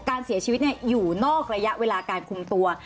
การเสียชีวิตอยู่นอกระยะเวลาการคุมตัว